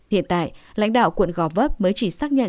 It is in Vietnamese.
hiện tại lãnh đạo quận gò vấp mới chỉ xác nhận